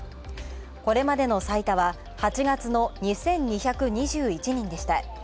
これまでの最多は８月の２２２１人でした。